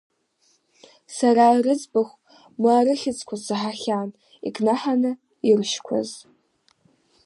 Сара рыӡбахә, ма рыхьыӡқәа саҳахьан икнаҳаны иршьқәаз.